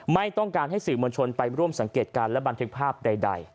ไม่ต้องการให้สื่อมวลชนไปร่วมสังเกตการณ์และบันทึกภาพใด